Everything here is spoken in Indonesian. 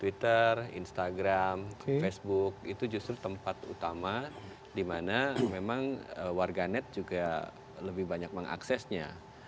twitter instagram facebook itu justru tempat utama di mana memang warganet juga lebih banyak mengaksesnya